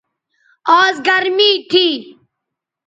آز گرمی تھی